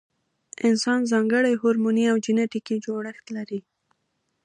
انسان ځانګړی هورموني او جنټیکي جوړښت لري.